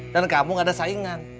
dan kamu gak ada saingan